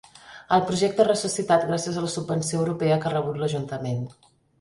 El projecte ha ressuscitat gràcies a la subvenció europea que ha rebut l’ajuntament.